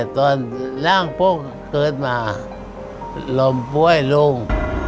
ตอนร่างโป้งเกิดมาลมป่วยลง